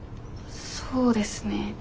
そうですね。